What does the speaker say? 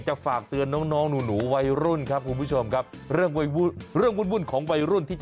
เขาไม่เคยทำโครงใดพวกมันก็เอิงมันเป็นยาที